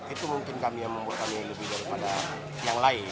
itu mungkin kami yang membuat kami lebih daripada yang lain